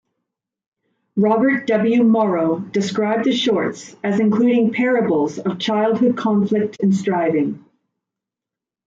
Robert W. Morrow described the shorts as including parables of childhood conflict and striving.